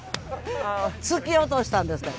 突き落としたんですって。